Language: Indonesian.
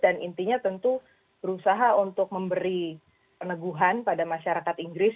dan intinya tentu berusaha untuk memberi peneguhan pada masyarakat inggris